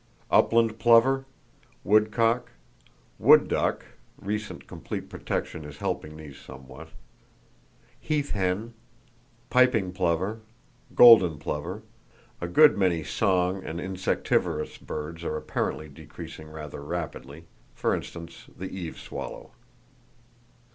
Upland plover, woodcock, wood duck (recent complete protection is helping these somewhat), heath hen, piping plover, golden plover, a good many song and [Page 49] insectivorous birds are apparently decreasing rather rapidly; for instance, the eave swallow.